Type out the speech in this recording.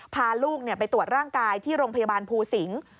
พาลูกไปตรวจร่างกายที่โรงพยาบาลภูสิงศ์